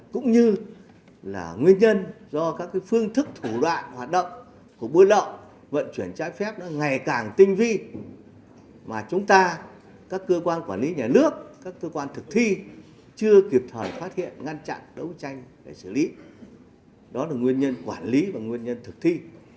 đó là nguyên nhân quản lý và nguyên nhân thực thi